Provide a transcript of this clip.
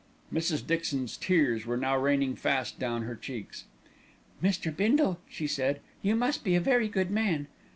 Mrs. Dixon's tears were now raining fast down her cheeks. "Mr. Bindle," she said, "you must be a very good man."